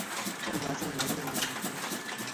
政和三年升润州置。